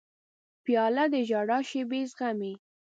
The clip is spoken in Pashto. پیاله د ژړا شېبې زغمي.